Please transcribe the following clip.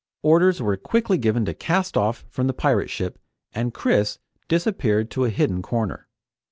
Orders were quickly given to cast off from the pirate ship and Chris disappeared to a hidden corner.